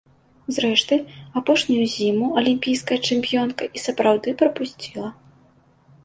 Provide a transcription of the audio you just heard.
Зрэшты, апошнюю зіму алімпійская чэмпіёнка і сапраўды прапусціла.